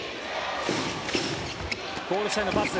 ゴール下へのパス。